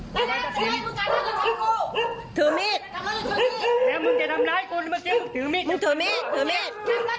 ทำร้ายทรัพย์สินถือมีดถือมีดถือมีดถือมีดถือมีดถือมีดถือมีด